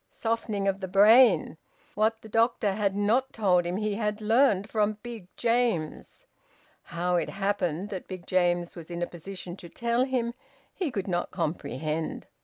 Softening of the brain! What the doctor had not told him he had learned from Big James. How it happened that Big James was in a position to tell him he could not comprehend.